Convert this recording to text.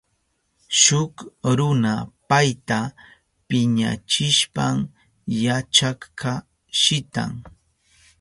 Shuk runa payta piñachishpan yachakka shitan.